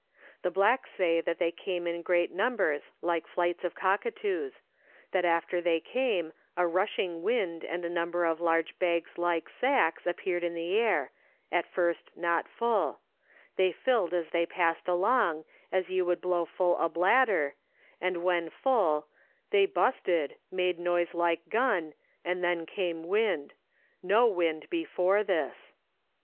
The blacks say that they came in great numbers like flights of cockatoos ; that after they came a rushing wind and a number of large bags like sacks appeared in the air, at first not full ; they filled as they passed along, as you would blow full a bladder, and when full " they busted, made noise like gun, and then came wind ; no wind before this."